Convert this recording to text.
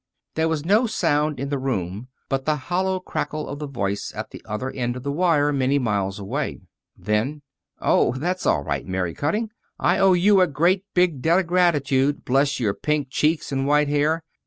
There was no sound in the room but the hollow cackle of the voice at the other end of the wire, many miles away. Then: "Oh, that's all right, Mary Cutting. I owe you a great big debt of gratitude, bless your pink cheeks and white hair!